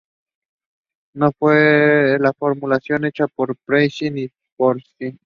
No fue esa la formulación hecha por Prebisch y por Singer.